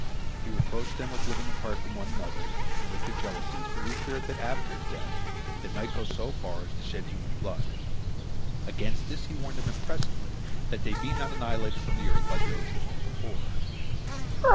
He reproached them with living apart from one another, and with their jealousies, for he feared that, after his death, they might go so far as to shed human blood. Against this he warned them impressively, that they be not annihilated from the earth like those that went before.